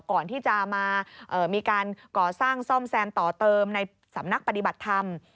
ก่อนที่จะมามีการก่อสร้างซ่อมแซมต่อเติมในสำนักปฏิบัติธรรม